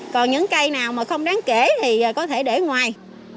còn những cây nào mà không đáng kể thì có thể để ngoài